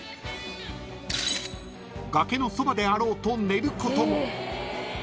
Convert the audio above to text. ［崖のそばであろうと寝ることも］